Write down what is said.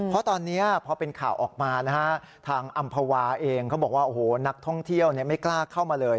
เพราะตอนนี้พอเป็นข่าวออกมานะฮะทางอำภาวาเองเขาบอกว่าโอ้โหนักท่องเที่ยวไม่กล้าเข้ามาเลย